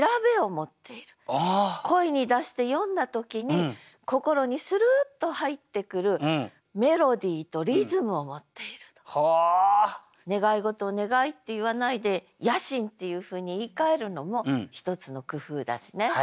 声に出して読んだ時に「願い事」を「願い」って言わないで「野心」っていうふうに言いかえるのも一つの工夫だしね。